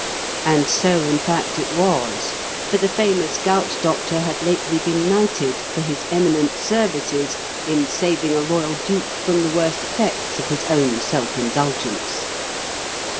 And so in fact it was; for the famous gout doctor had lately been knighted for his eminent services in saving a royal duke from the worst effects of his own self indulgence.